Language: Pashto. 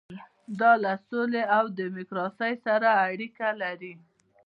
دا له سولې او ډیموکراسۍ سره اړیکه لري.